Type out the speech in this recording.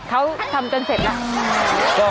เขาทำจนเสร็จแล้ว